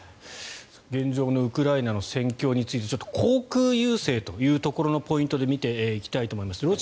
現状のウクライナの戦況について航空優勢というところのポイントで見ていきたいと思います。